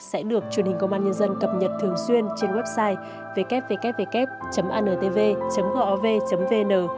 sẽ được truyền hình công an nhân dân cập nhật thường xuyên trên website ww antv gov vn